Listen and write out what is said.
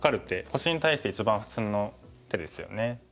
星に対して一番普通の手ですよね。